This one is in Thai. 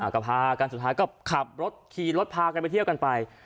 ก็พากันสุดท้ายก็ขับรถขี่รถพากันไปเที่ยวกันไป